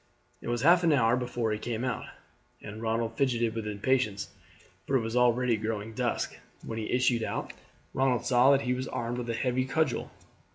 It was half an hour before he came out again, and Ronald fidgeted with impatience, for it was already growing dusk. When he issued out Ronald saw that he was armed with a heavy cudgel.